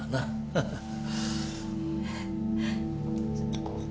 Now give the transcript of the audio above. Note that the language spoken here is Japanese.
ハハハッ。